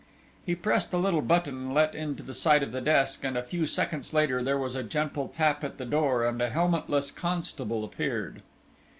He pressed a little button let into the side of the desk, and a few seconds later there was a gentle tap at the door, and a helmetless constable appeared.